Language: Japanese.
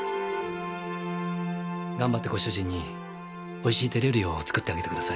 頑張ってご主人においしい手料理を作ってあげてください。